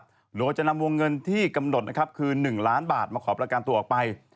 หรือจะนำวงเงินที่กำหนดคือ๑ล้านบาทมาขอประการตัวออกไป